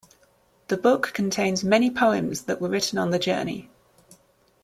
The book contains many poems that were written on the journey.